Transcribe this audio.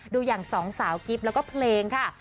ดูอย่าง๒สาวกรีพแล้วก็เพลงครับ